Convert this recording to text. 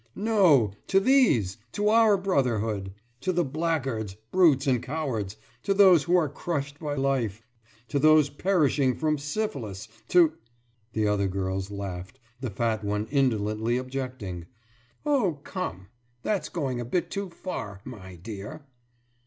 »No, these. To our Brotherhood! To the blackguards, brutes and cowards, to those who are crushed by life, to those perishing from syphilis, to....« The other girls laughed, the fat one indolently objecting: »Oh, come, that's going a bit too far, my dear!